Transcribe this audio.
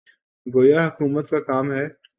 گویا حکومت کا کام ہے۔